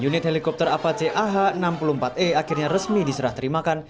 unit helikopter apache ah enam puluh empat e akhirnya resmi diserah terimakan